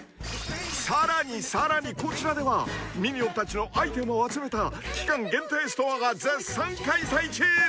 ［さらにさらにこちらではミニオンたちのアイテムを集めた期間限定ストアが絶賛開催中］